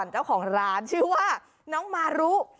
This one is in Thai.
เจ้าของร้านชื่อว่าน้องมารุ